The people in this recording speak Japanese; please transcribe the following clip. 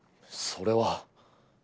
それは。